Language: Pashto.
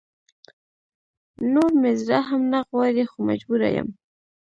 نور مې زړه هم نه غواړي خو مجبوره يم